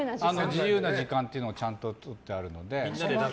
自由な時間っていうのをちゃんととってあるので。